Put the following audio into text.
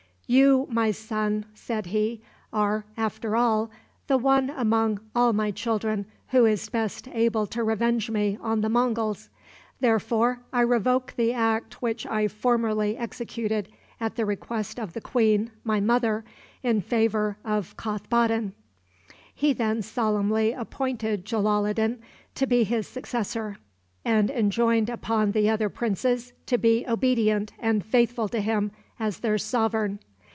"You, my son," said he, "are, after all, the one among all my children who is best able to revenge me on the Monguls; therefore I revoke the act which I formerly executed at the request of the queen, my mother, in favor of Kothboddin." He then solemnly appointed Jalaloddin to be his successor, and enjoined upon the other princes to be obedient and faithful to him as their sovereign.